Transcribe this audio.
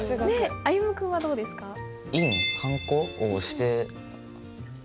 歩夢君はどうですか？